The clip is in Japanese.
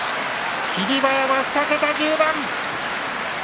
霧馬山、２桁１０番。